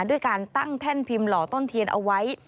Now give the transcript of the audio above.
ด้วยการตั้งแท่นพิมพ์หล่อต้นเทียนเอาไว้